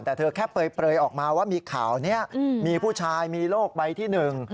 แต่เธอแค่เปลยออกมาว่ามีข่าวนี้มีผู้ชายมีโรคใบที่หนึ่ง